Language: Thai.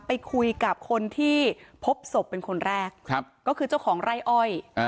ไปคุยกับคนที่พบศพเป็นคนแรกครับก็คือเจ้าของไร่อ้อย